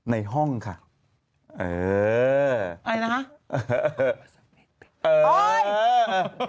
ในห้องค่ะเฮ้ออะไรแล้วคะ